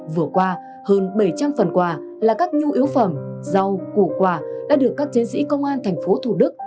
vừa qua hơn bảy trăm linh phần quà là các nhu yếu phẩm rau củ quả đã được các chiến sĩ công an thành phố thủ đức